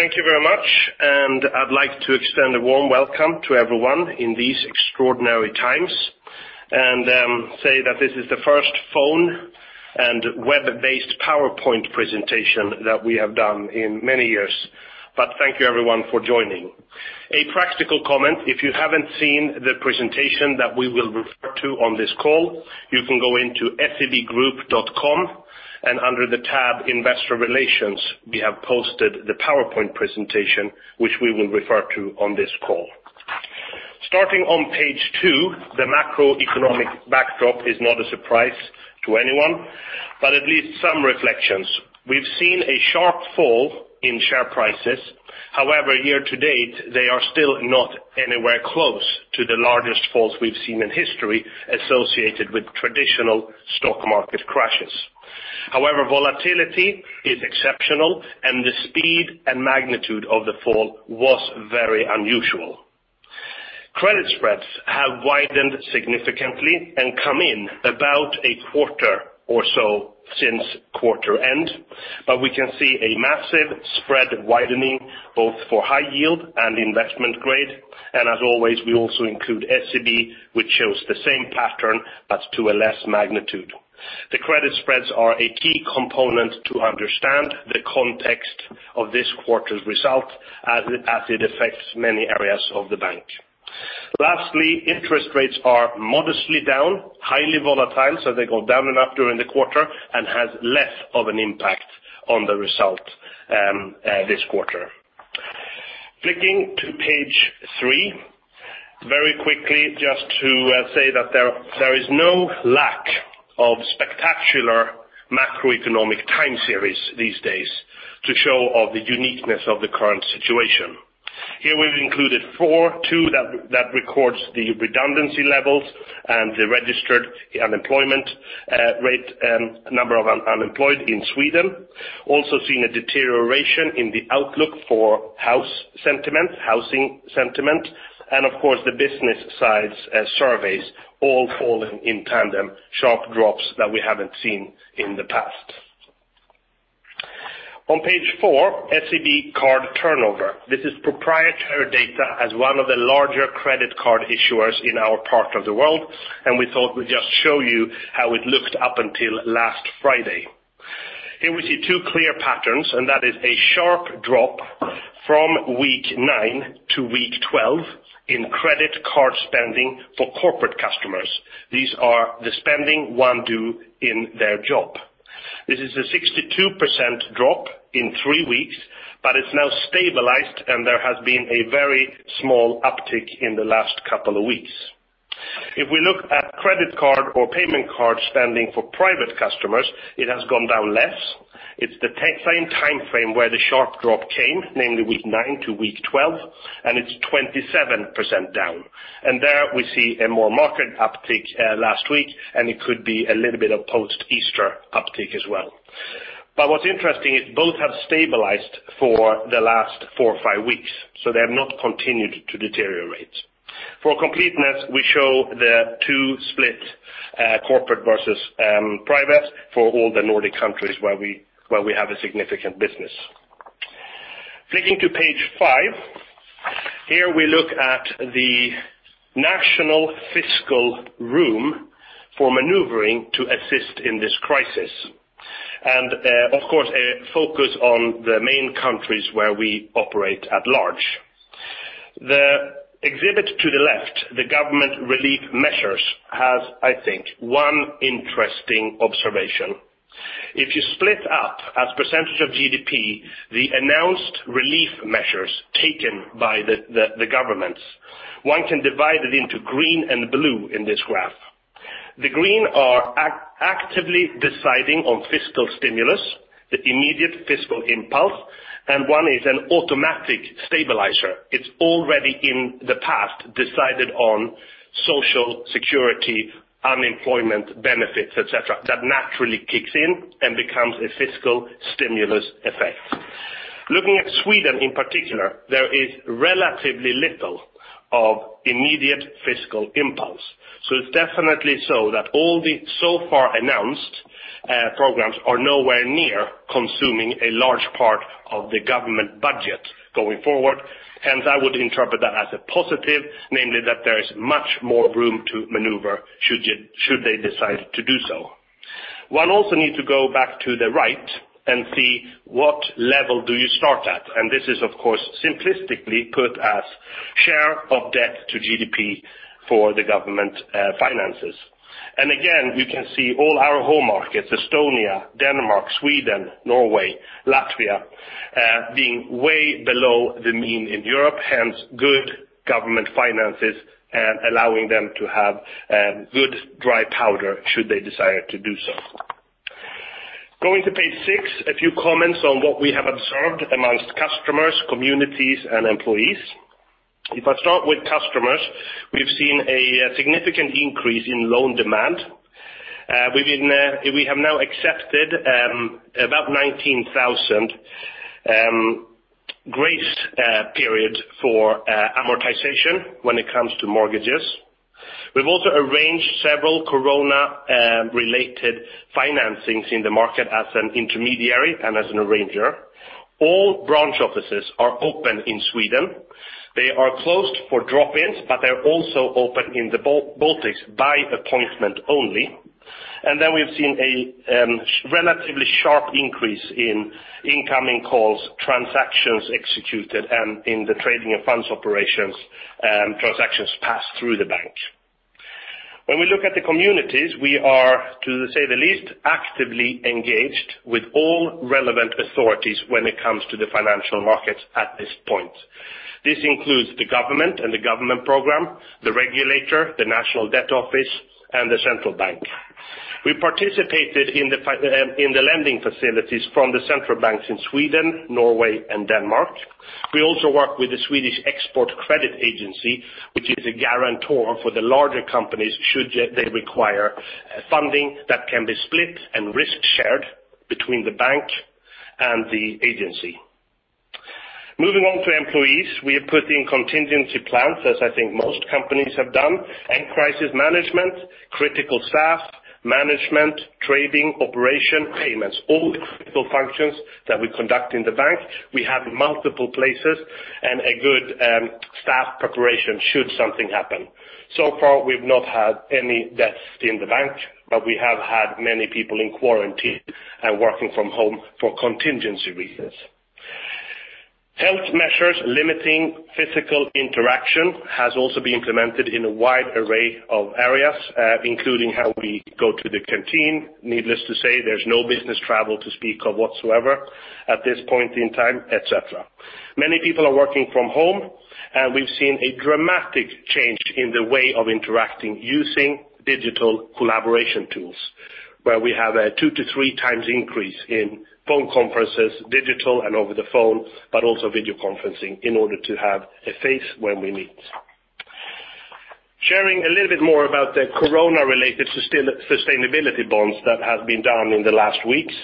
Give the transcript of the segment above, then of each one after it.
Thank you very much. I'd like to extend a warm welcome to everyone in these extraordinary times, and say that this is the first phone and web-based PowerPoint presentation that we have done in many years. Thank you everyone for joining. A practical comment, if you haven't seen the presentation that we will refer to on this call, you can go into sebgroup.com, and under the tab Investor Relations, we have posted the PowerPoint presentation, which we will refer to on this call. Starting on page two, the macroeconomic backdrop is not a surprise to anyone, but at least some reflections. We've seen a sharp fall in share prices. However, year to date, they are still not anywhere close to the largest falls we've seen in history associated with traditional stock market crashes. However, volatility is exceptional, and the speed and magnitude of the fall was very unusual. Credit spreads have widened significantly and come in about a quarter or so since quarter end. We can see a massive spread widening both for high yield and investment grade. As always, we also include SEB, which shows the same pattern, but to a less magnitude. The credit spreads are a key component to understand the context of this quarter's result, as it affects many areas of the bank. Lastly, interest rates are modestly down, highly volatile, so they go down and up during the quarter, and has less of an impact on the result this quarter. Flicking to page three. Very quickly, just to say that there is no lack of spectacular macroeconomic time series these days to show of the uniqueness of the current situation. Here we've included four, two that records the redundancy levels and the registered unemployment rate and number of unemployed in Sweden. Also seeing a deterioration in the outlook for house sentiment, housing sentiment. Of course, the business side surveys all falling in tandem, sharp drops that we haven't seen in the past. On page four, SEB card turnover. This is proprietary data as one of the larger credit card issuers in our part of the world, and we thought we'd just show you how it looked up until last Friday. Here we see two clear patterns, and that is a sharp drop from week nine to week 12 in credit card spending for corporate customers. These are the spending one do in their job. This is a 62% drop in three weeks, but it's now stabilized, and there has been a very small uptick in the last couple of weeks. If we look at credit card or payment card spending for private customers, it has gone down less. It's the same timeframe where the sharp drop came, namely week 9 to week 12, and it's 27% down. There we see a more marked uptick last week. It could be a little bit of post-Easter uptick as well. What's interesting is both have stabilized for the last four or five weeks. They have not continued to deteriorate. For completeness, we show the two split, corporate versus private, for all the Nordic countries where we have a significant business. Flicking to page five. Here we look at the national fiscal room for maneuvering to assist in this crisis. Of course, a focus on the main countries where we operate at large. The exhibit to the left, the government relief measures, has, I think, one interesting observation. If you split up as % of GDP, the announced relief measures taken by the governments, one can divide it into green and blue in this graph. The green are actively deciding on fiscal stimulus, the immediate fiscal impulse, and one is an automatic stabilizer. It's already in the past decided on Social Security, unemployment benefits, et cetera, that naturally kicks in and becomes a fiscal stimulus effect. Looking at Sweden in particular, there is relatively little of immediate fiscal impulse. It's definitely so that all the so-far-announced programs are nowhere near consuming a large part of the government budget going forward. Hence, I would interpret that as a positive, namely that there is much more room to maneuver, should they decide to do so. One also need to go back to the right and see what level do you start at? This is, of course, simplistically put as share of debt to GDP for the government finances. Again, we can see all our home markets, Estonia, Denmark, Sweden, Norway, Latvia, being way below the mean in Europe, hence good government finances allowing them to have good dry powder, should they desire to do so. Going to page six, a few comments on what we have observed amongst customers, communities, and employees. If I start with customers, we've seen a significant increase in loan demand. We have now accepted about 19,000 grace period for amortization when it comes to mortgages. We've also arranged several corona-related financings in the market as an intermediary and as an arranger. All branch offices are open in Sweden. They are closed for drop-ins, but they're also open in the Baltics by appointment only. We've seen a relatively sharp increase in incoming calls, transactions executed, and in the trading and funds operations, transactions passed through the bank. When we look at the communities, we are, to say the least, actively engaged with all relevant authorities when it comes to the financial markets at this point. This includes the government and the government program, the regulator, the national debt office, and the central bank. We participated in the lending facilities from the central banks in Sweden, Norway, and Denmark. We also work with the Swedish Export Credit Agency, which is a guarantor for the larger companies, should they require funding that can be split and risk-shared between the bank and the agency. Moving on to employees, we have put in contingency plans, as I think most companies have done, and crisis management, critical staff, management, trading, operation, payments, all the critical functions that we conduct in the bank. We have multiple places and a good staff preparation should something happen. So far, we've not had any deaths in the bank, but we have had many people in quarantine and working from home for contingency reasons. Health measures limiting physical interaction has also been implemented in a wide array of areas, including how we go to the canteen. Needless to say, there's no business travel to speak of whatsoever at this point in time, et cetera. Many people are working from home, and we've seen a dramatic change in the way of interacting using digital collaboration tools, where we have a two to three times increase in phone conferences, digital and over the phone, but also video conferencing in order to have a face when we meet. Sharing a little bit more about the corona-related sustainability bonds that have been done in the last weeks,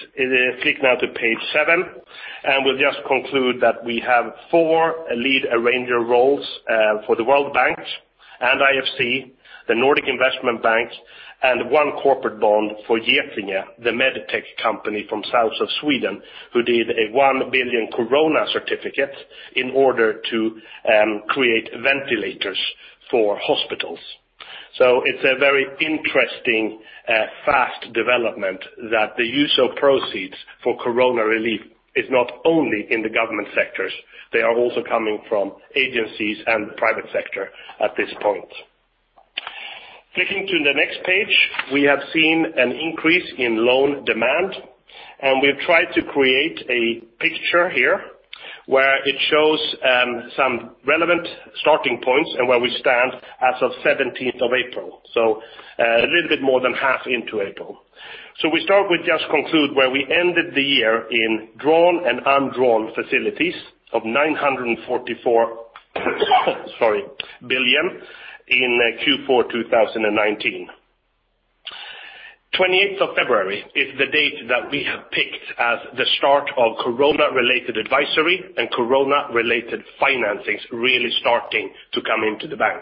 flick now to page seven, and we'll just conclude that we have four lead arranger roles for the World Bank and IFC, the Nordic Investment Bank, and one corporate bond for Getinge, the med tech company from south of Sweden, who did a $1 billion corona certificate in order to create ventilators for hospitals. It's a very interesting, fast development that the use of proceeds for corona relief is not only in the government sectors, they are also coming from agencies and the private sector at this point. Flicking to the next page, we have seen an increase in loan demand, and we've tried to create a picture here where it shows some relevant starting points and where we stand as of 17th of April. A little bit more than half into April. We start with just conclude where we ended the year in drawn and undrawn facilities of 944 sorry, billion in Q4 2019. 28th of February is the date that we have picked as the start of corona-related advisory and corona-related financings really starting to come into the bank.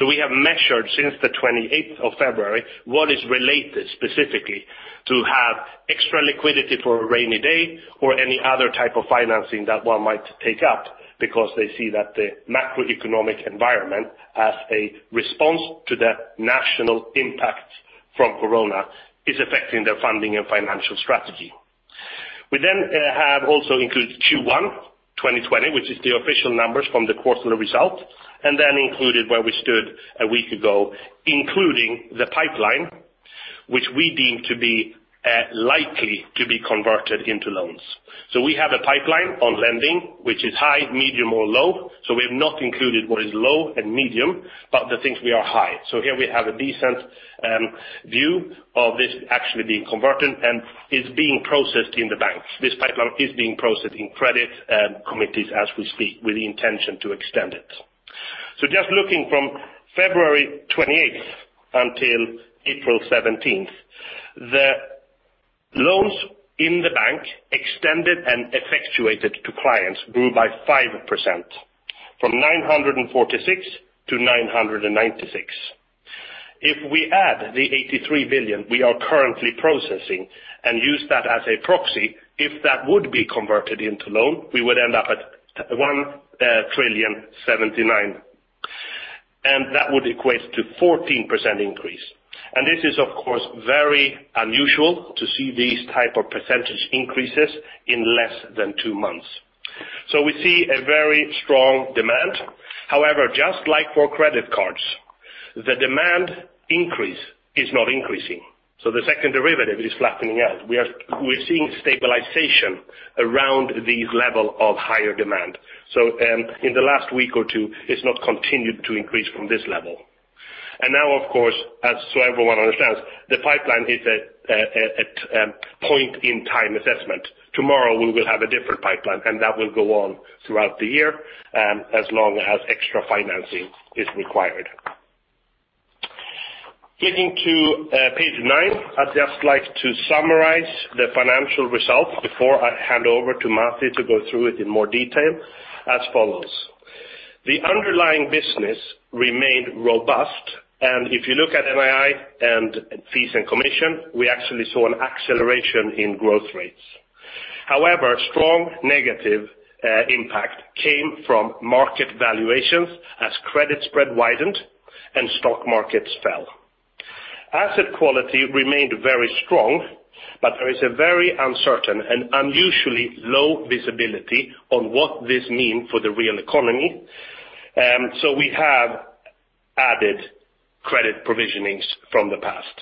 We have measured since the 28th of February what is related specifically to have extra liquidity for a rainy day or any other type of financing that one might take up because they see that the macroeconomic environment as a response to the national impact from corona is affecting their funding and financial strategy. We have also included Q1 2020, which is the official numbers from the quarterly result, and then included where we stood a week ago, including the pipeline, which we deem to be likely to be converted into loans. We have a pipeline on lending, which is high, medium, or low. We have not included what is low and medium, but the things we are high. Here we have a decent view of this actually being converted and is being processed in the bank. This pipeline is being processed in credit committees as we speak with the intention to extend it. Just looking from February 28th until April 17th, the loans in the bank extended and effectuated to clients grew by 5%, from 946 billion to 996 billion. If we add the 83 billion we are currently processing and use that as a proxy, if that would be converted into loan, we would end up at 1.079 trillion, that would equate to 14% increase. This is, of course, very unusual to see these type of percentage increases in less than two months. We see a very strong demand. However, just like for credit cards, the demand increase is not increasing. The second derivative is flattening out. We're seeing stabilization around this level of higher demand. In the last week or two, it's not continued to increase from this level. Now, of course, as everyone understands, the pipeline is at point in time assessment. Tomorrow, we will have a different pipeline. That will go on throughout the year, as long as extra financing is required. Getting to page nine. I'd just like to summarize the financial results before I hand over to Masih to go through it in more detail as follows. The underlying business remained robust. If you look at NII and fees and commission, we actually saw an acceleration in growth rates. However, strong negative impact came from market valuations as credit spread widened and stock markets fell. Asset quality remained very strong. There is a very uncertain and unusually low visibility on what this mean for the real economy. We have added credit provisionings from the past.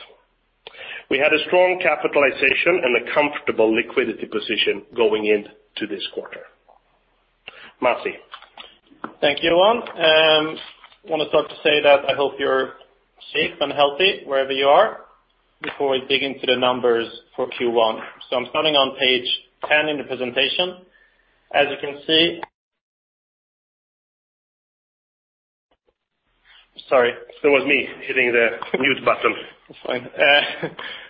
We had a strong capitalization and a comfortable liquidity position going into this quarter. Masih. Thank you, Johan. I want to start to say that I hope you're safe and healthy wherever you are, before we dig into the numbers for Q1. I'm starting on page 10 in the presentation. As you can see. Sorry, it was me hitting the mute button. It's fine.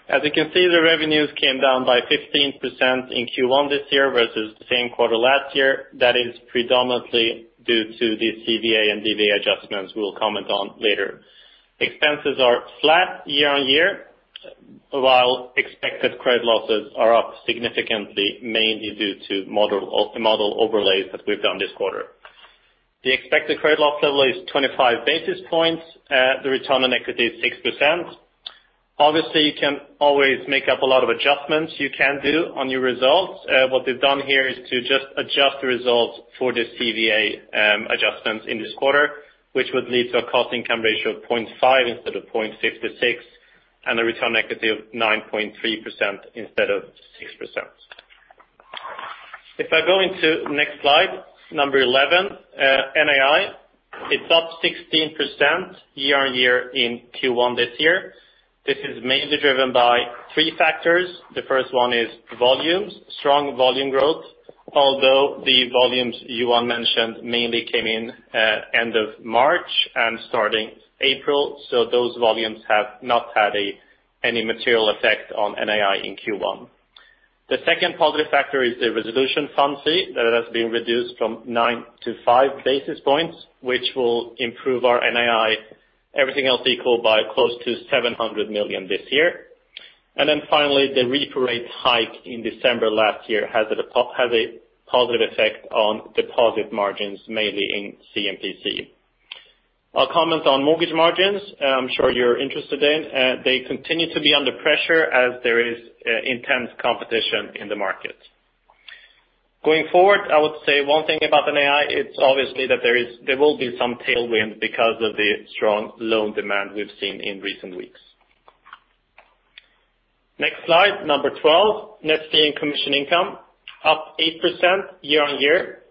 As you can see, the revenues came down by 15% in Q1 this year versus the same quarter last year. That is predominantly due to the CVA and DVA adjustments we'll comment on later. Expenses are flat year-on-year, while expected credit losses are up significantly, mainly due to model overlays that we've done this quarter. The expected credit loss level is 25 basis points. The return on equity is 6%. Obviously, you can always make up a lot of adjustments you can do on your results. What they've done here is to just adjust the results for the CVA adjustments in this quarter, which would lead to a cost-income ratio of 0.5 instead of 0.56, and a return equity of 9.3% instead of 6%. If I go into next slide, number 11, NII. It's up 16% year-on-year in Q1 this year. This is mainly driven by three factors. The first one is volumes, strong volume growth, although the volumes Johan mentioned mainly came in end of March and starting April. Those volumes have not had any material effect on NII in Q1. The second positive factor is the resolution fund fee that has been reduced from nine to five basis points, which will improve our NII, everything else equal, by close to 700 million this year. Finally, the repo rate hike in December last year has a positive effect on deposit margins, mainly in C&PC. I'll comment on mortgage margins, I'm sure you're interested in. They continue to be under pressure as there is intense competition in the market. Going forward, I would say one thing about NII, it's obviously that there will be some tailwind because of the strong loan demand we've seen in recent weeks. Next slide, number 12, net fee and commission income, up 8% year-on-year.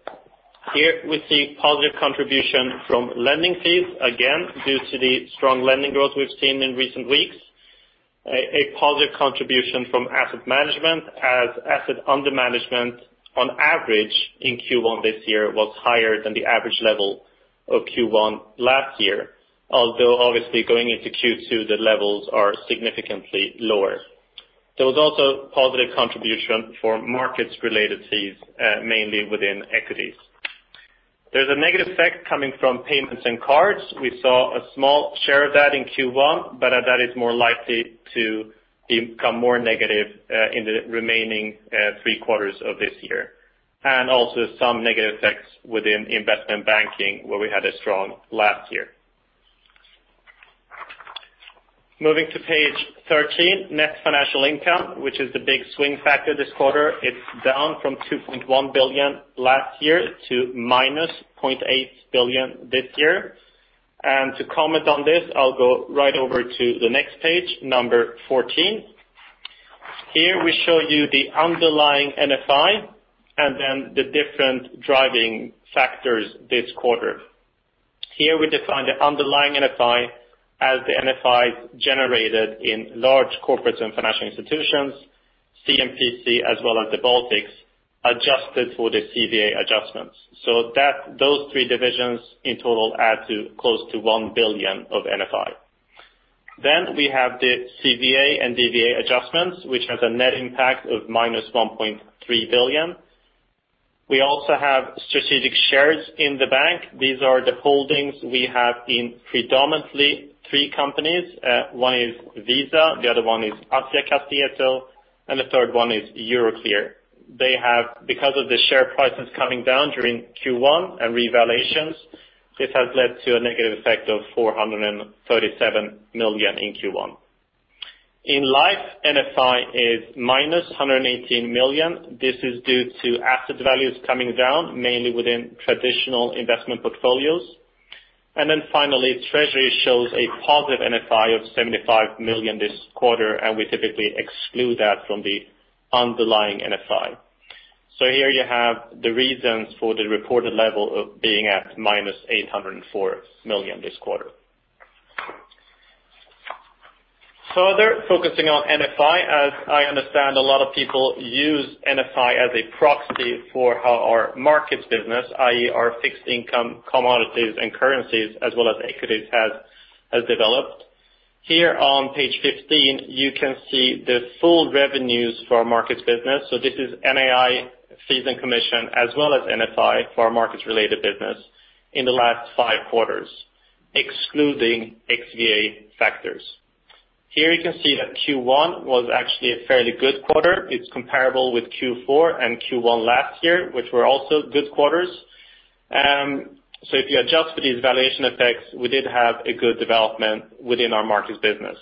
Here we see positive contribution from lending fees, again, due to the strong lending growth we've seen in recent weeks. A positive contribution from asset management as asset under management on average in Q1 this year was higher than the average level of Q1 last year. Obviously going into Q2, the levels are significantly lower. There was also positive contribution for markets-related fees, mainly within equities. There's a negative effect coming from payments and cards. We saw a small share of that in Q1, that is more likely to become more negative, in the remaining three quarters of this year. Also some negative effects within investment banking, where we had a strong last year. Moving to page 13, net financial income, which is the big swing factor this quarter. It's down from 2.1 billion last year to minus 0.8 billion this year. To comment on this, I'll go right over to the next page, number 14. Here we show you the underlying NFI and the different driving factors this quarter. Here we define the underlying NFI as the NFIs generated in Large Corporates & Financial Institutions, C&PC, as well as the Baltics, adjusted for the CVA adjustments. Those three divisions in total add to close to one billion of NFI. We have the CVA and DVA adjustments, which has a net impact of minus 1.3 billion. We also have strategic shares in the bank. These are the holdings we have in predominantly three companies. One is Visa, the other one is Assicurazioni, and the third one is Euroclear. Because of the share prices coming down during Q1 and revaluations, this has led to a negative effect of 437 million in Q1. In Life, NFI is minus 118 million. This is due to asset values coming down, mainly within traditional investment portfolios. Finally, Treasury shows a positive NFI of 75 million this quarter, we typically exclude that from the underlying NFI. Here you have the reasons for the reported level of being at minus 804 million this quarter. Further focusing on NFI, as I understand, a lot of people use NFI as a proxy for how our markets business, i.e., our fixed income, commodities, and currencies, as well as equities, has developed. Here on page 15, you can see the full revenues for our markets business. This is NII fees and commission, as well as NFI for our markets-related business in the last five quarters, excluding XVA factors. Here you can see that Q1 was actually a fairly good quarter. It's comparable with Q4 and Q1 last year, which were also good quarters. If you adjust for these valuation effects, we did have a good development within our markets business.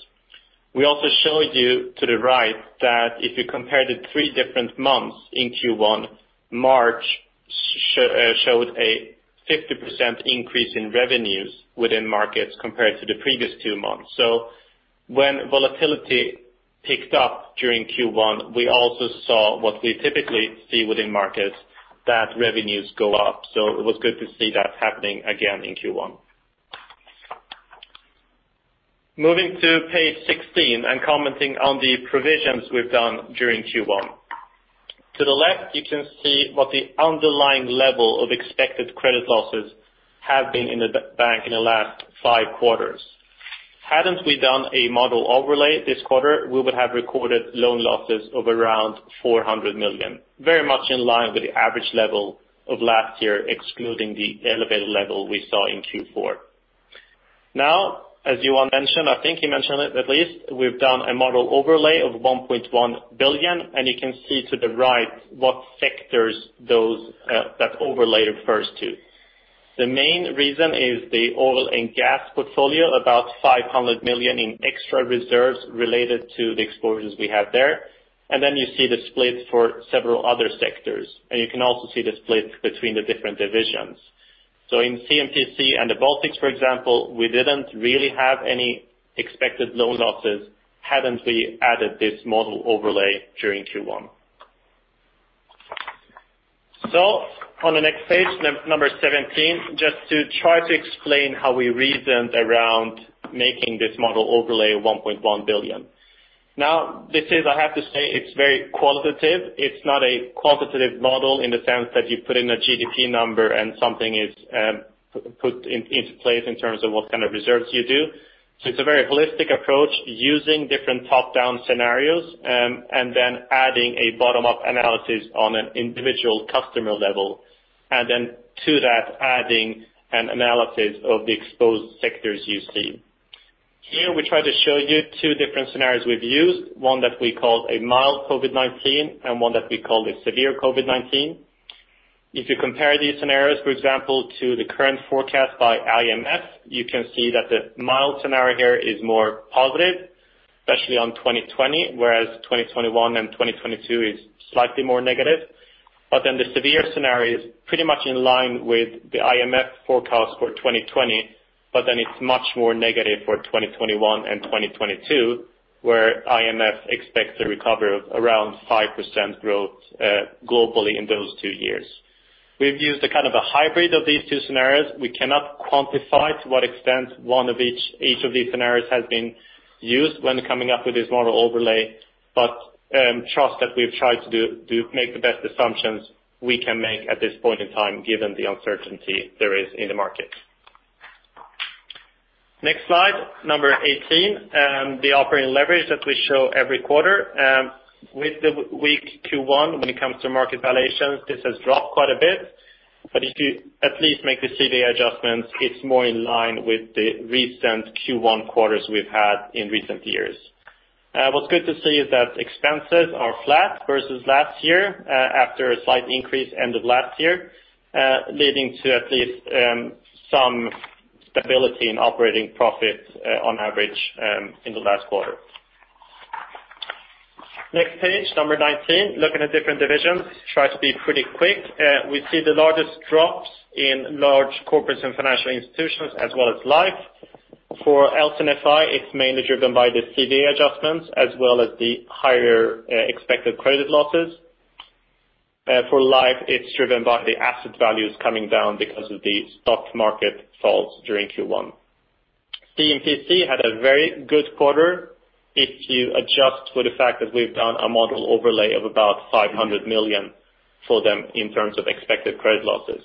We also showed you to the right that if you compared the three different months in Q1, March showed a 50% increase in revenues within markets compared to the previous two months. When volatility picked up during Q1, we also saw what we typically see within markets, that revenues go up. It was good to see that happening again in Q1. Moving to page 16 and commenting on the provisions we've done during Q1. To the left, you can see what the underlying level of expected credit losses have been in the bank in the last five quarters. Hadn't we done a model overlay this quarter, we would have recorded loan losses of around 400 million, very much in line with the average level of last year, excluding the elevated level we saw in Q4. Now, as Johan mentioned, I think he mentioned it, at least, we've done a model overlay of 1 billion, and you can see to the right what sectors that overlay refers to. The main reason is the oil and gas portfolio, about 500 million in extra reserves related to the exposures we have there. And then you see the split for several other sectors, and you can also see the split between the different divisions. In C&PC and the Baltics, for example, we didn't really have any expected loan losses hadn't we added this model overlay during Q1. On the next page 17, just to try to explain how we reasoned around making this model overlay 1 billion. This is, I have to say, it's very qualitative. It's not a quantitative model in the sense that you put in a GDP number and something is put into place in terms of what kind of reserves you do. It's a very holistic approach using different top-down scenarios, and then adding a bottom-up analysis on an individual customer level. Then to that, adding an analysis of the exposed sectors you see. Here, we try to show you two different scenarios we've used, one that we called a mild COVID-19 and one that we called a severe COVID-19. If you compare these scenarios, for example, to the current forecast by IMF, you can see that the mild scenario here is more positive, especially on 2020, whereas 2021 and 2022 is slightly more negative. The severe scenario is pretty much in line with the IMF forecast for 2020, but then it's much more negative for 2021 and 2022, where IMF expects a recovery of around 5% growth globally in those two years. We've used a kind of a hybrid of these two scenarios. We cannot quantify to what extent one of each of these scenarios has been used when coming up with this model overlay, but trust that we've tried to make the best assumptions we can make at this point in time, given the uncertainty there is in the market. Next slide, number 18. The operating leverage that we show every quarter. With the weak Q1, when it comes to market valuations, this has dropped quite a bit. If you at least make the CVA adjustments, it's more in line with the recent Q1 quarters we've had in recent years. What's good to see is that expenses are flat versus last year, after a slight increase end of last year, leading to at least some stability in operating profit on average in the last quarter. Next page, number 19. Looking at different divisions. Try to be pretty quick. We see the largest drops in Large Corporates & Financial Institutions, as well as life. For LC&FI, it's mainly driven by the CVA adjustments, as well as the higher expected credit losses. For life, it's driven by the asset values coming down because of the stock market falls during Q1. C&PC had a very good quarter if you adjust for the fact that we've done a model overlay of about 500 million for them in terms of expected credit losses.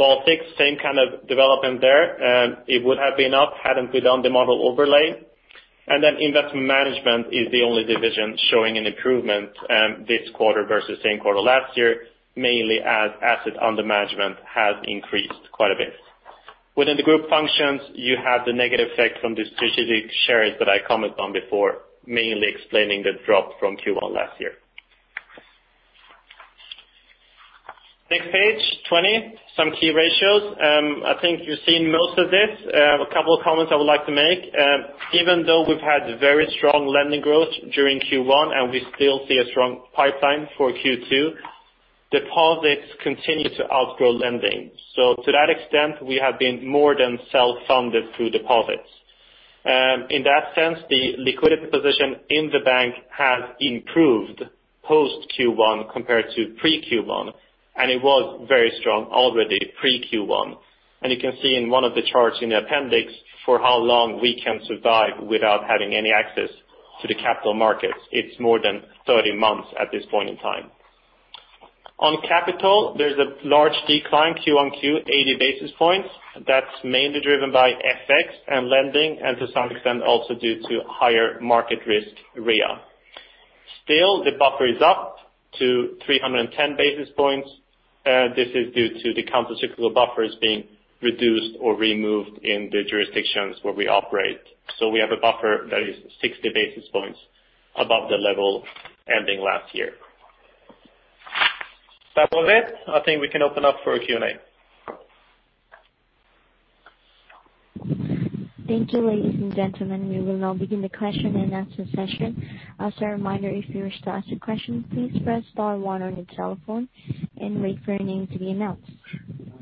Baltics, same kind of development there. It would have been up hadn't we done the model overlay. Investment management is the only division showing an improvement this quarter versus same quarter last year, mainly as asset under management has increased quite a bit. Within the group functions, you have the negative effect from the strategic shares that I commented on before, mainly explaining the drop from Q1 last year. Next page, 20. Some key ratios. I think you've seen most of this. A couple of comments I would like to make. Even though we've had very strong lending growth during Q1, and we still see a strong pipeline for Q2, deposits continue to outgrow lending. To that extent, we have been more than self-funded through deposits. In that sense, the liquidity position in the bank has improved post Q1 compared to pre-Q1, and it was very strong already pre-Q1. You can see in one of the charts in the appendix for how long we can survive without having any access to the capital markets. It's more than 30 months at this point in time. On capital, there's a large decline Q1-Q, 80 basis points. That's mainly driven by FX and lending, and to some extent also due to higher market risk REA. Still, the buffer is up to 310 basis points. This is due to the countercyclical buffers being reduced or removed in the jurisdictions where we operate. We have a buffer that is 60 basis points above the level ending last year. That was it. I think we can open up for Q&A. Thank you, ladies and gentlemen, we will now begin the question and answer session. As a reminder, if you wish to ask a question, please press star one on your telephone and wait for your name to be announced.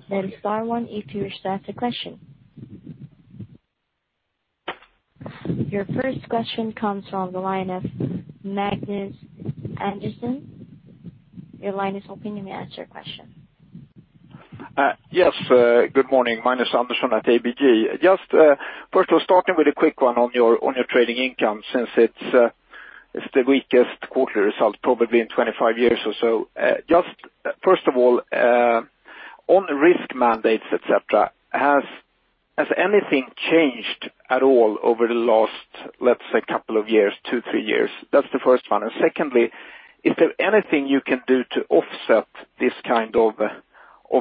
That is star one if you wish to ask a question. Your first question comes from the line of Magnus Andersson. Your line is open. You may ask your question. Yes. Good morning. Magnus Andersson at ABG. Just first of starting with a quick one on your trading income since it's the weakest quarterly result probably in 25 years or so. Just first of all, on the risk mandates, et cetera, has anything changed at all over the last, let's say, couple of years, two, three years? That's the first one. Secondly, is there anything you can do to offset this kind of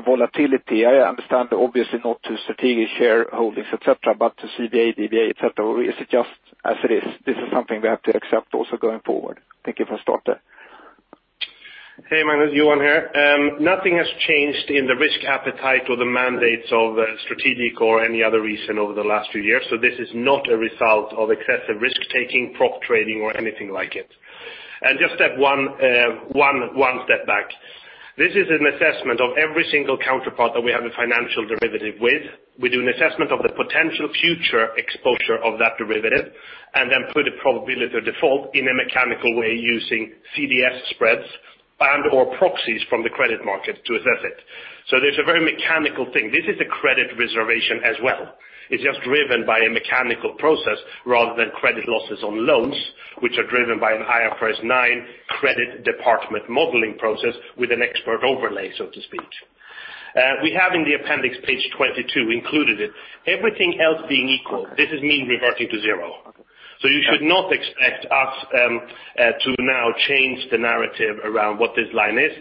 volatility? I understand obviously not to strategic shareholdings, et cetera, but to CVA, DVA, et cetera. Is it just as it is? This is something we have to accept also going forward. Thank you. If I stop there. Hey, Magnus. Johan here. Nothing has changed in the risk appetite or the mandates of strategic or any other reason over the last few years. This is not a result of excessive risk-taking, prop trading or anything like it. Just one step back. This is an assessment of every single counterpart that we have a financial derivative with. We do an assessment of the potential future exposure of that derivative, and then put a probability of default in a mechanical way using CDS spreads and/or proxies from the credit market to assess it. There's a very mechanical thing. This is a credit reservation as well. It's just driven by a mechanical process rather than credit losses on loans, which are driven by an IFRS 9 credit department modeling process with an expert overlay, so to speak. We have in the appendix page 22 included it. Everything else being equal, this is mean reverting to zero. You should not expect us to now change the narrative around what this line is.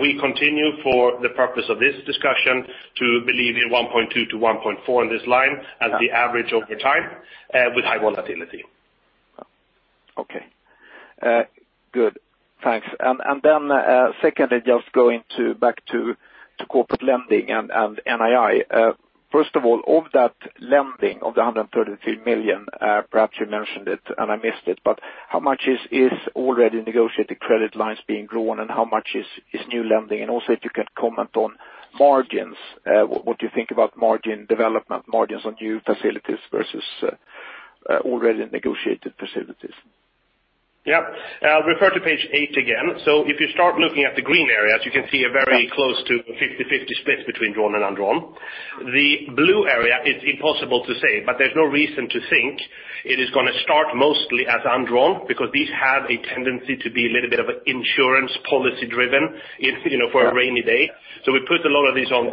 We continue for the purpose of this discussion to believe in 1.2 to 1.4 on this line as the average over time with high volatility. Okay. Good. Thanks. Secondly, just going back to corporate lending and NII. First of all, of that lending of the 133 million, perhaps you mentioned it and I missed it, but how much is already negotiated credit lines being drawn and how much is new lending? Also if you can comment on margins, what do you think about margin development, margins on new facilities versus already negotiated facilities? Yeah. Refer to page eight again. If you start looking at the green areas, you can see a very close to 50/50 split between drawn and undrawn. The blue area is impossible to say, but there's no reason to think it is going to start mostly as undrawn because these have a tendency to be a little bit of insurance policy driven for a rainy day. We put a lot of these on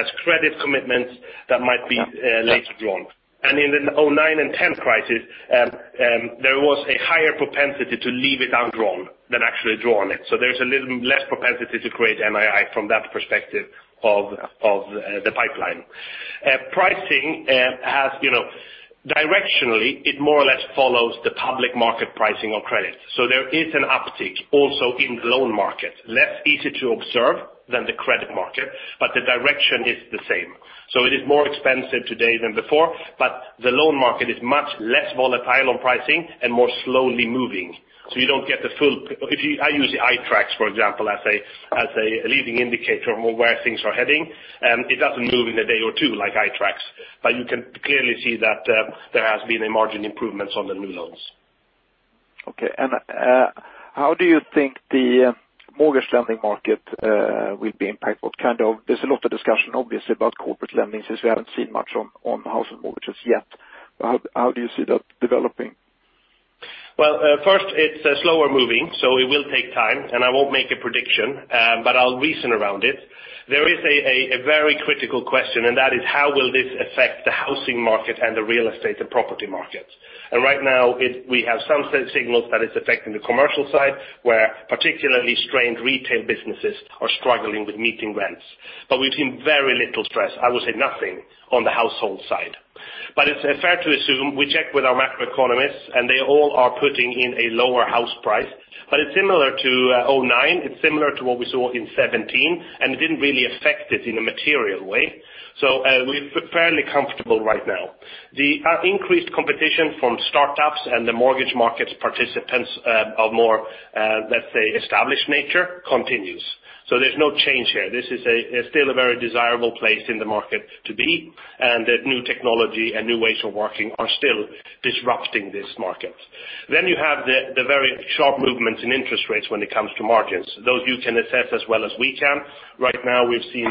as credit commitments that might be later drawn. In the 2009 and 2010 crisis there was a higher propensity to leave it undrawn than actually drawn it. There's a little less propensity to create NII from that perspective of the pipeline. Pricing, directionally, it more or less follows the public market pricing on credit. There is an uptick also in the loan market, less easy to observe than the credit market, but the direction is the same. It is more expensive today than before, but the loan market is much less volatile on pricing and more slowly moving. You don't get the full I use the iTraxx, for example, as a leading indicator on where things are heading. It doesn't move in a day or two like iTraxx, but you can clearly see that there has been a margin improvements on the new loans. Okay. How do you think the mortgage lending market will be impacted? There's a lot of discussion obviously about corporate lending since we haven't seen much on household mortgages yet. How do you see that developing? First it's slower moving, so it will take time and I won't make a prediction, but I'll reason around it. There is a very critical question, and that is how will this affect the housing market and the real estate and property market? Right now we have some signals that it's affecting the commercial side, where particularly strained retail businesses are struggling with meeting rents. We've seen very little stress, I would say nothing, on the household side. It's fair to assume we check with our macroeconomists and they all are putting in a lower house price. It's similar to 2009, it's similar to what we saw in 2017, and it didn't really affect it in a material way. We're fairly comfortable right now. The increased competition from startups and the mortgage markets participants of more, let's say established nature continues. There's no change here. This is still a very desirable place in the market to be, and that new technology and new ways of working are still disrupting this market. You have the very sharp movements in interest rates when it comes to margins. Those you can assess as well as we can. Right now we've seen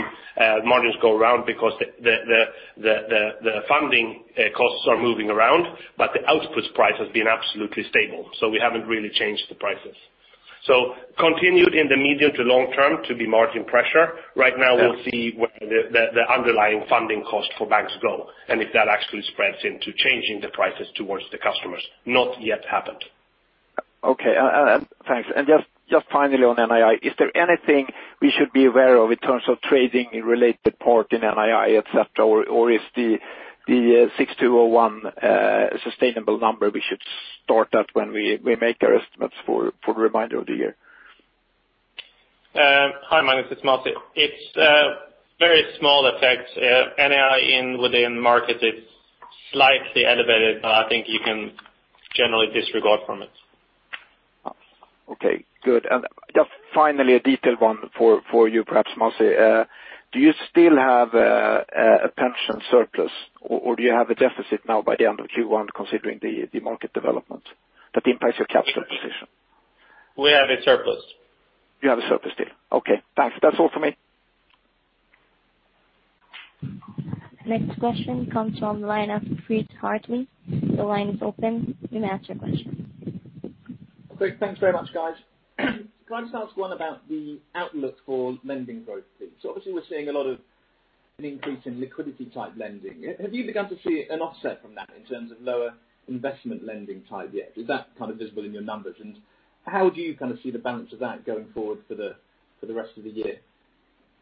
margins go around because the funding costs are moving around, but the output price has been absolutely stable, so we haven't really changed the prices. Continued in the medium to long term to be margin pressure. Right now we'll see where the underlying funding cost for banks go, and if that actually spreads into changing the prices towards the customers. Not yet happened. Okay. Thanks. Just finally on NII, is there anything we should be aware of in terms of trading in related part in NII, et cetera, or is the 6,201 a sustainable number we should start at when we make our estimates for the remainder of the year? Hi, Magnus, it's Masih. It's a very small effect. NII within markets is slightly elevated, but I think you can generally disregard from it. Okay, good. Just finally, a detailed one for you perhaps, Masih. Do you still have a pension surplus or do you have a deficit now by the end of Q1 considering the market development that impacts your capital position? We have a surplus. You have a surplus still. Okay, thanks. That's all for me. Next question comes from line of Fritz Heitmann. The line is open. You may ask your question. Great. Thanks very much, guys. Can I just ask one about the outlook for lending growth please? Obviously we're seeing a lot of an increase in liquidity type lending. Have you begun to see an offset from that in terms of lower investment lending type yet? Is that kind of visible in your numbers? How do you see the balance of that going forward for the rest of the year?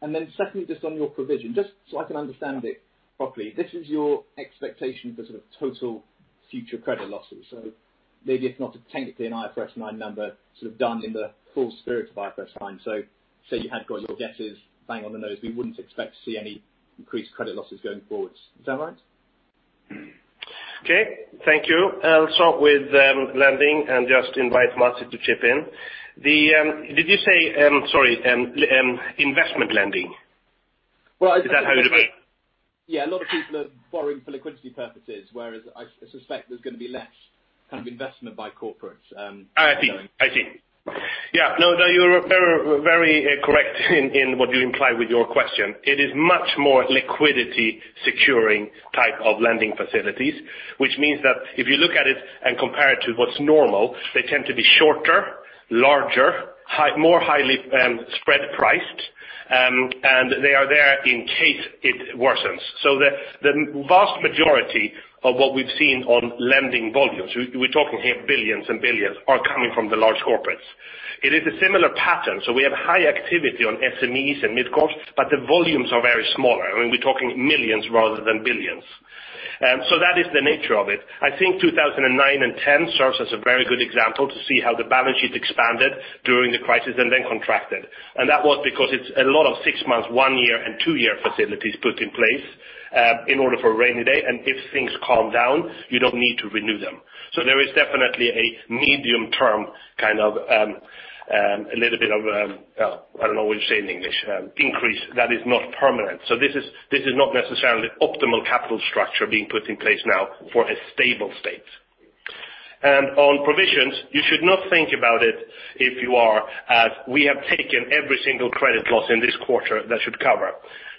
Secondly, just on your provision, just so I can understand it properly, this is your expectation for sort of total future credit losses. Maybe if not technically an IFRS 9 number, sort of done in the full spirit of IFRS 9. Say you had got your guesses bang on the nose, we wouldn't expect to see any increased credit losses going forwards. Is that right? Okay. Thank you. I'll start with lending and just invite Masih to chip in. Did you say Sorry, investment lending? Well- Is that how you look at it? Yeah. A lot of people are borrowing for liquidity purposes, whereas I suspect there's going to be less kind of investment by corporates going. I see. Yeah. No, you are very correct in what you imply with your question. It is much more liquidity securing type of lending facilities, which means that if you look at it and compare it to what's normal, they tend to be shorter, larger, more highly spread priced, and they are there in case it worsens. The vast majority of what we've seen on lending volumes, we're talking here billions and billions, are coming from the large corporates. It is a similar pattern, so we have high activity on SMEs and mid-corps, but the volumes are very smaller, and we're talking millions rather than billions. That is the nature of it. I think 2009 and 2010 serves as a very good example to see how the balance sheet expanded during the crisis and then contracted. That was because it's a lot of six months, one year, and two year facilities put in place in order for a rainy day, and if things calm down, you don't need to renew them. There is definitely a medium term kind of, a little bit of I don't know what you say in English, increase that is not permanent. This is not necessarily optimal capital structure being put in place now for a stable state. On provisions, you should not think about it if you are, as we have taken every single credit loss in this quarter that should cover.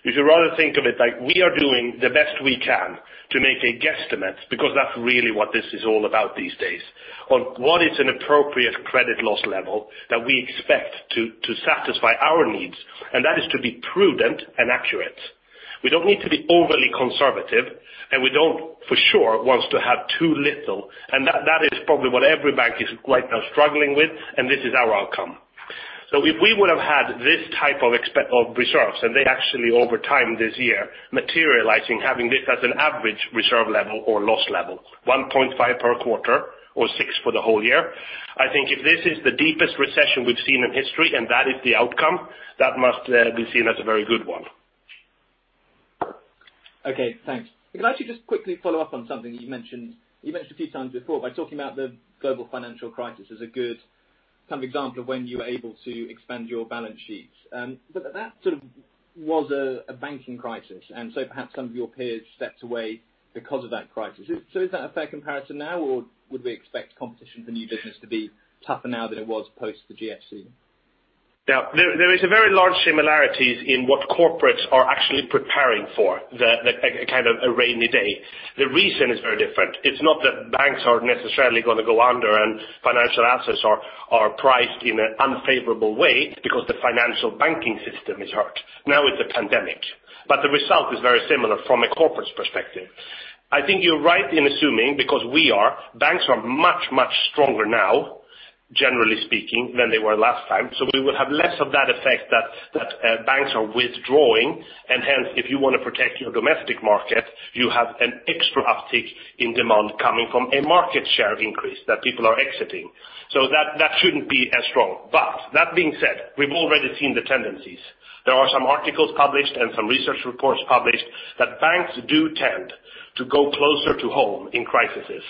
You should rather think of it like we are doing the best we can to make a guesstimate, because that's really what this is all about these days. What is an appropriate credit loss level that we expect to satisfy our needs, and that is to be prudent and accurate. We don't need to be overly conservative, and we don't for sure want to have too little. That is probably what every bank is right now struggling with, and this is our outcome. If we would have had this type of reserves, and they actually over time this year materializing having this as an average reserve level or loss level, 1.5 per quarter or six for the whole year. I think if this is the deepest recession we've seen in history, and that is the outcome, that must be seen as a very good one. Okay, thanks. Could I actually just quickly follow up on something that you mentioned a few times before by talking about the global financial crisis as a good example of when you were able to expand your balance sheets. That sort of was a banking crisis, perhaps some of your peers stepped away because of that crisis. Is that a fair comparison now, or would we expect competition for new business to be tougher now than it was post the GFC? There is a very large similarities in what corporates are actually preparing for, a kind of a rainy day. The reason is very different. It's not that banks are necessarily going to go under and financial assets are priced in an unfavorable way because the financial banking system is hurt. Now it's a pandemic. The result is very similar from a corporate perspective. I think you're right in assuming, because we are, banks are much, much stronger now, generally speaking, than they were last time. We will have less of that effect that banks are withdrawing, and hence, if you want to protect your domestic market, you have an extra uptick in demand coming from a market share increase that people are exiting. That shouldn't be as strong. That being said, we've already seen the tendencies There are some articles published and some research reports published that banks do tend to go closer to home in crises.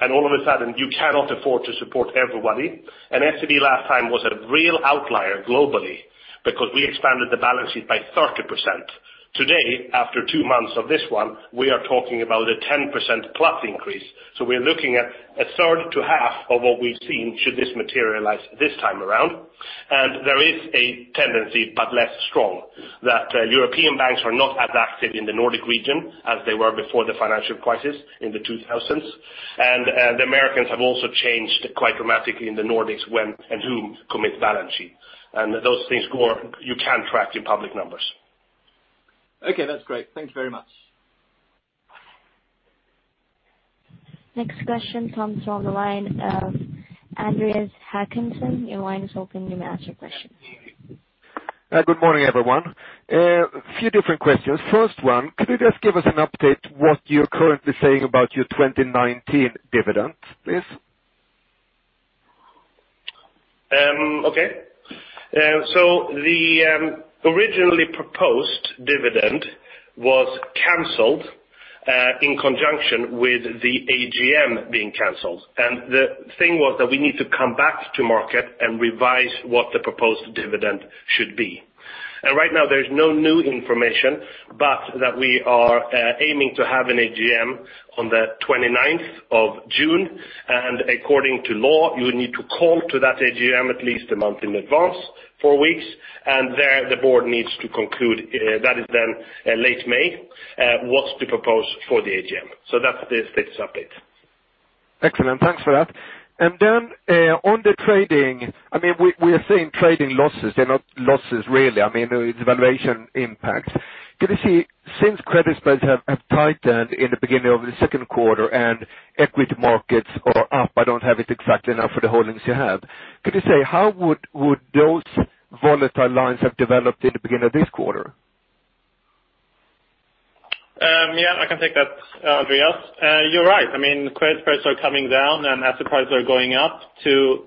All of a sudden, you cannot afford to support everybody. SEB last time was a real outlier globally because we expanded the balance sheet by 30%. Today, after two months of this one, we are talking about a 10% plus increase. We're looking at a third to half of what we've seen should this materialize this time around. There is a tendency, but less strong, that European banks are not as active in the Nordic region as they were before the financial crisis in the 2000s. The Americans have also changed quite dramatically in the Nordics when and who commit balance sheet. Those things you can track in public numbers. Okay, that's great. Thank you very much Next question comes from the line of Andreas Håkansson. Your line is open. You may ask your question. Good morning, everyone. A few different questions. First one, could you just give us an update what you're currently saying about your 2019 dividend, please? Okay. The originally proposed dividend was canceled in conjunction with the AGM being canceled. The thing was that we need to come back to market and revise what the proposed dividend should be. Right now there's no new information, but that we are aiming to have an AGM on the 29th of June. According to law, you need to call to that AGM at least a month in advance, four weeks. There the board needs to conclude, that is then late May, what's to propose for the AGM. That's the status update. Excellent. Thanks for that. On the trading, we are seeing trading losses. They're not losses really, it's valuation impact. Could you see, since credit spreads have tightened in the beginning of the second quarter and equity markets are up, I don't have it exactly now for the holdings you have. Could you say, how would those volatile lines have developed in the beginning of this quarter? Yeah, I can take that, Andreas. You're right. Credit spreads are coming down and asset prices are going up. To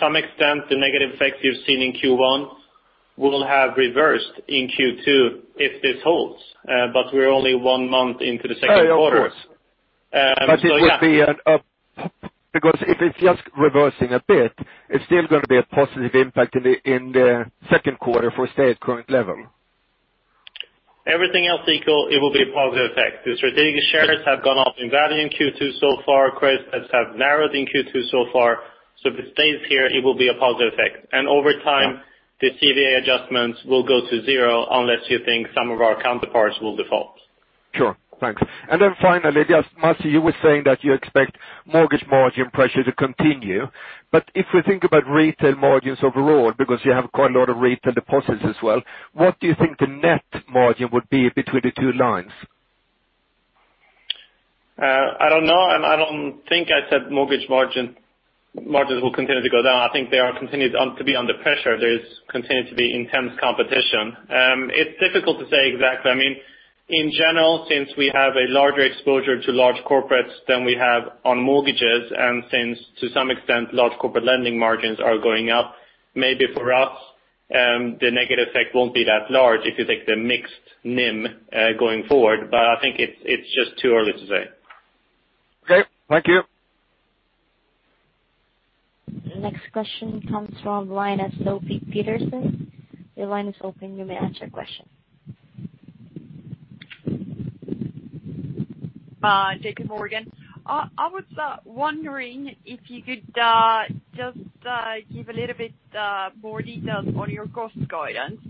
some extent, the negative effects you've seen in Q1 will have reversed in Q2 if this holds. We're only one month into the second quarter. Of course. Yeah. Because if it's just reversing a bit, it's still going to be a positive impact in the second quarter for, say, at current level. Everything else equal, it will be a positive effect. The strategic shares have gone up in value in Q2 so far. Credit spreads have narrowed in Q2 so far. If it stays here, it will be a positive effect. Over time, the CVA adjustments will go to zero unless you think some of our counterparts will default. Sure. Thanks. Finally, just Masih, you were saying that you expect mortgage margin pressure to continue, but if we think about retail margins overall, because you have quite a lot of retail deposits as well, what do you think the net margin would be between the two lines? I don't know. I don't think I said mortgage margins will continue to go down. I think they are continued to be under pressure. There continues to be intense competition. It's difficult to say exactly. In general, since we have a larger exposure to large corporates than we have on mortgages, and since to some extent, large corporate lending margins are going up, maybe for us, the negative effect won't be that large if you take the mixed NIM going forward. I think it's just too early to say. Okay. Thank you. Next question comes from line of Sofie Peterzens. Your line is open. You may ask your question. JP Morgan. I was wondering if you could just give a little bit more details on your cost guidance.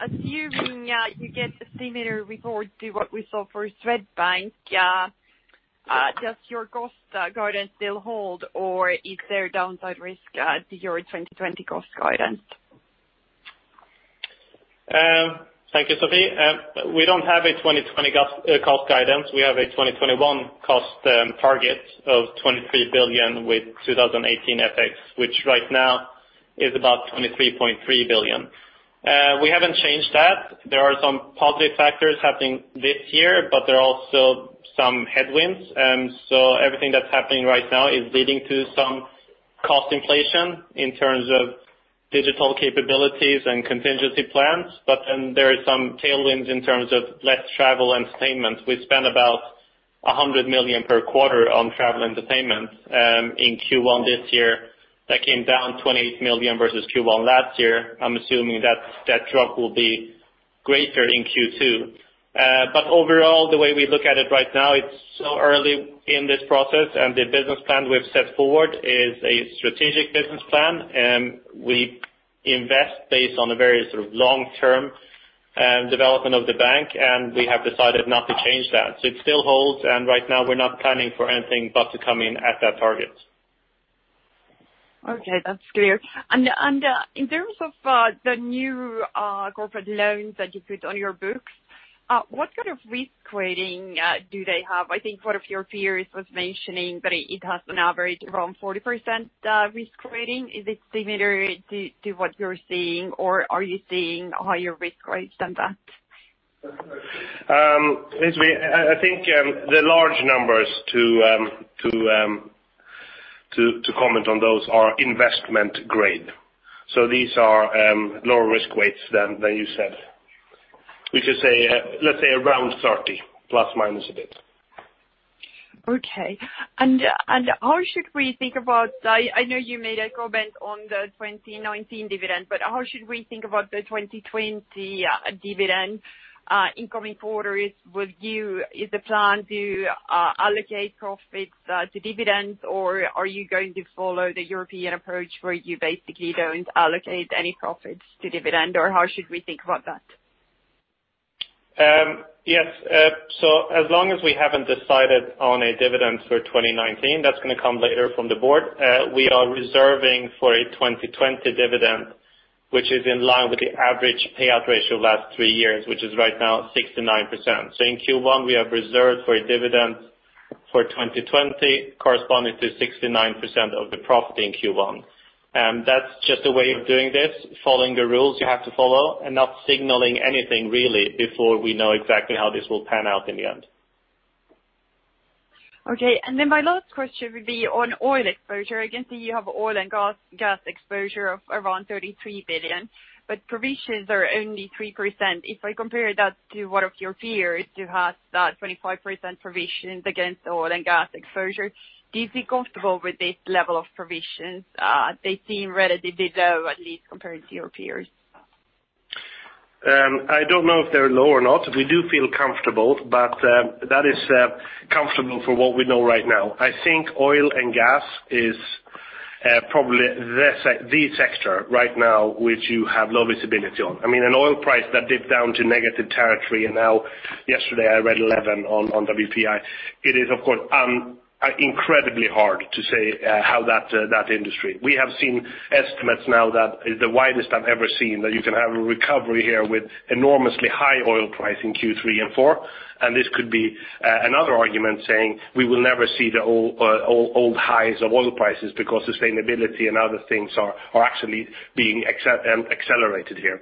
Assuming you get a similar report to what we saw for Swedbank, does your cost guidance still hold, or is there downside risk to your 2020 cost guidance? Thank you, Sofie. We don't have a 2020 cost guidance. We have a 2021 cost target of 23 billion with 2018 FX, which right now is about 23.3 billion. We haven't changed that. There are some positive factors happening this year. There are also some headwinds. Everything that's happening right now is leading to some cost inflation in terms of digital capabilities and contingency plans. There is some tailwinds in terms of less travel entertainment. We spend about 100 million per quarter on travel entertainment. In Q1 this year, that came down 28 million versus Q1 last year. I'm assuming that drop will be greater in Q2. Overall, the way we look at it right now, it's so early in this process, and the business plan we've set forward is a strategic business plan. We invest based on a very long-term development of the bank, and we have decided not to change that. It still holds, and right now we're not planning for anything but to come in at that target. Okay, that's clear. In terms of the new corporate loans that you put on your books, what kind of risk rating do they have? I think one of your peers was mentioning that it has an average around 40% risk rating. Is it similar to what you're seeing, or are you seeing higher risk rates than that? I think the large numbers To comment on those are investment grade. These are lower risk weights than you said. We should say, let's say around 30 plus minus a bit. Okay. How should we think about I know you made a comment on the 2019 dividend, but how should we think about the 2020 dividend in coming quarters? Is the plan to allocate profits to dividends, or are you going to follow the European approach where you basically don't allocate any profits to dividend? How should we think about that? Yes. As long as we haven't decided on a dividend for 2019, that's going to come later from the board. We are reserving for a 2020 dividend, which is in line with the average payout ratio last three years, which is right now 69%. In Q1, we have reserved for a dividend for 2020 corresponding to 69% of the profit in Q1. That's just a way of doing this, following the rules you have to follow, and not signaling anything really before we know exactly how this will pan out in the end. Okay. My last question would be on oil exposure. I can see you have oil and gas exposure of around 33 billion, but provisions are only 3%. If I compare that to one of your peers who has that 25% provisions against oil and gas exposure, do you feel comfortable with this level of provisions? They seem relatively low, at least compared to your peers. I don't know if they're low or not. We do feel comfortable, but that is comfortable for what we know right now. I think oil and gas is probably the sector right now, which you have low visibility on. An oil price that dipped down to negative territory, now yesterday I read $11 on WTI. It is, of course, incredibly hard to say how that industry. We have seen estimates now that is the widest I've ever seen, that you can have a recovery here with enormously high oil price in Q3 and Q4. This could be another argument saying we will never see the old highs of oil prices because sustainability and other things are actually being accelerated here.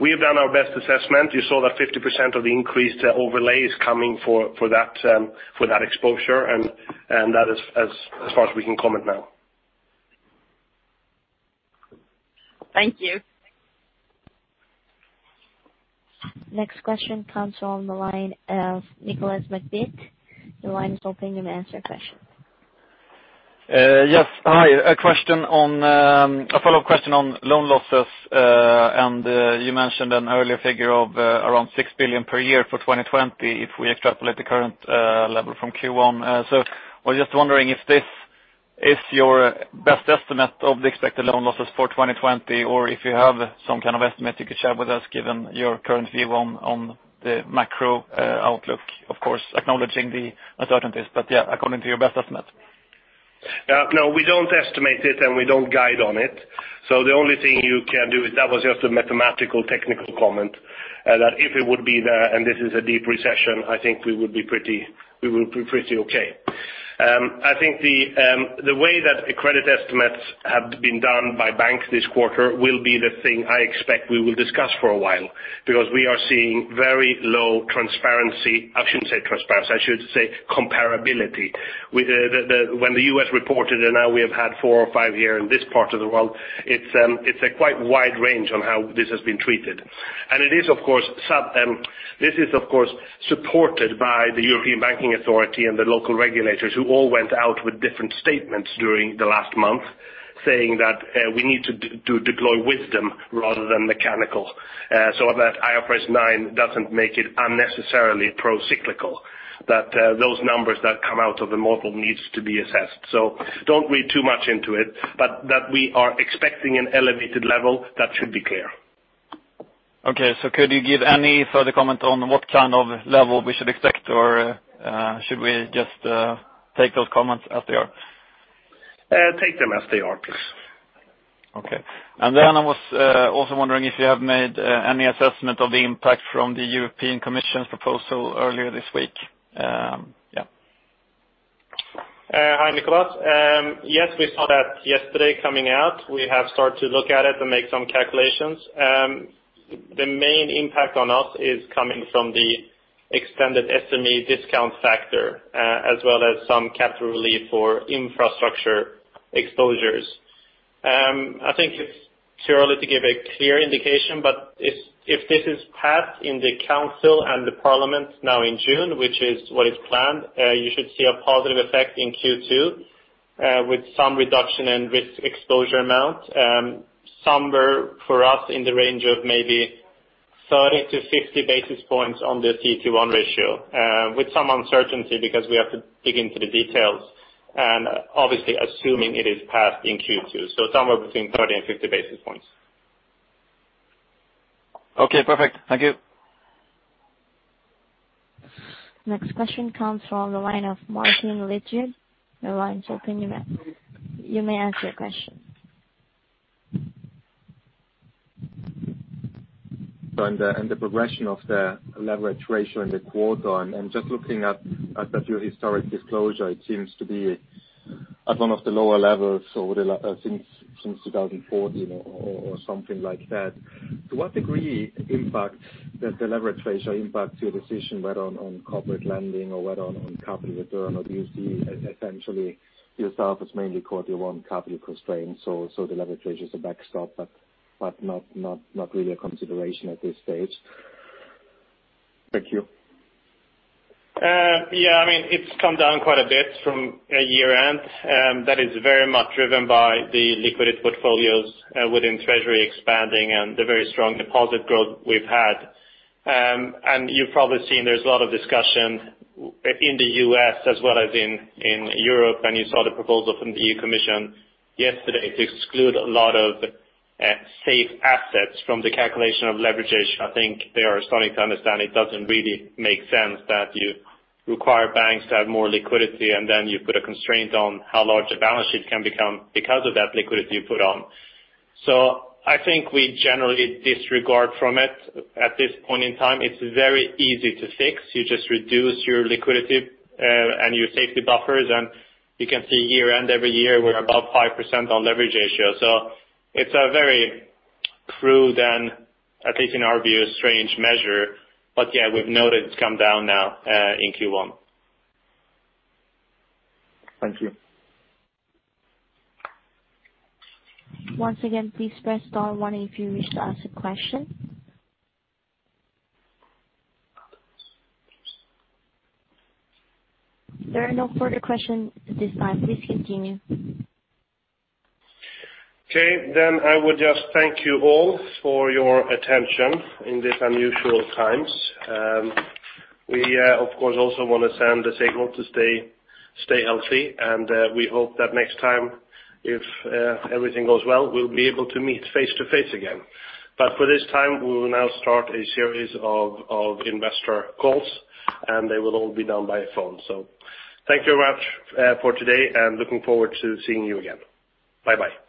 We have done our best assessment. You saw that 50% of the increased overlay is coming for that exposure, and that is as far as we can comment now. Thank you. Next question comes on the line of Nicolas McBeath. Your line is open. You may ask your question. Yes. Hi. A follow-up question on loan losses. You mentioned an earlier figure of around 6 billion per year for 2020 if we extrapolate the current level from Q1. I was just wondering if this is your best estimate of the expected loan losses for 2020, or if you have some kind of estimate you could share with us, given your current view on the macro outlook, of course, acknowledging the uncertainties, yeah, according to your best estimate. No, we don't estimate it, and we don't guide on it. The only thing you can do is that was just a mathematical technical comment, that if it would be there, and this is a deep recession, I think we would be pretty okay. I think the way that the credit estimates have been done by banks this quarter will be the thing I expect we will discuss for a while, because we are seeing very low transparency. I shouldn't say transparency, I should say comparability. When the U.S. reported, and now we have had four or five here in this part of the world, it's a quite wide range on how this has been treated. This is, of course, supported by the European Banking Authority and the local regulators who all went out with different statements during the last month saying that we need to deploy wisdom rather than mechanical, so that IFRS 9 doesn't make it unnecessarily pro-cyclical, that those numbers that come out of the model needs to be assessed. Don't read too much into it, but that we are expecting an elevated level. That should be clear. Okay. Could you give any further comment on what kind of level we should expect? Should we just take those comments as they are? Take them as they are, please. Okay. I was also wondering if you have made any assessment of the impact from the European Commission's proposal earlier this week. Yeah. Hi, Nicolas. We saw that yesterday coming out. We have started to look at it and make some calculations. The main impact on us is coming from the extended SME discount factor, as well as some capital relief for infrastructure exposures. I think it's too early to give a clear indication, but if this is passed in the council and the parliament now in June, which is what is planned, you should see a positive effect in Q2 with some reduction in risk exposure amount. Somewhere for us in the range of maybe 30 to 50 basis points on the CET1 ratio, with some uncertainty because we have to dig into the details, and obviously assuming it is passed in Q2. Somewhere between 30 and 50 basis points. Okay, perfect. Thank you. Next question comes from the line of Martin Leitgeb. Your line is open. You may ask your question. The progression of the leverage ratio in the quarter, and just looking at a few historic disclosure, it seems to be at one of the lower levels since 2014 or something like that. To what degree does the leverage ratio impact your decision whether on corporate lending or whether on capital return? Or do you see essentially yourself as mainly caught your own capital constraints, so the leverage ratio is a backstop, but not really a consideration at this stage. Thank you. Yeah. It's come down quite a bit from year-end. That is very much driven by the liquidity portfolios within treasury expanding and the very strong deposit growth we've had. You've probably seen, there's a lot of discussion in the U.S. as well as in Europe, and you saw the proposal from the European Commission yesterday to exclude a lot of safe assets from the calculation of leverage ratio. I think they are starting to understand it doesn't really make sense that you require banks to have more liquidity and then you put a constraint on how large a balance sheet can become because of that liquidity you put on. I think we generally disregard from it at this point in time. It's very easy to fix. You just reduce your liquidity and your safety buffers, you can see year-end every year, we're above 5% on leverage ratio. It's a very crude and, at least in our view, a strange measure. Yeah, we've noted it's come down now, in Q1. Thank you. Once again, please press star one if you wish to ask a question. There are no further questions at this time. Please continue. I would just thank you all for your attention in these unusual times. We, of course, also want to send the signal to stay healthy, and we hope that next time, if everything goes well, we'll be able to meet face-to-face again. For this time, we will now start a series of investor calls, and they will all be done by phone. Thank you very much for today, and looking forward to seeing you again. Bye-bye.